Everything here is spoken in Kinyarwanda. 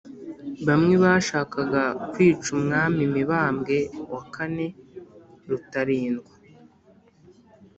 bamwe bashakaga kwica umwami mibambwe iv rutarindwa